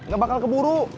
gak bakal keburu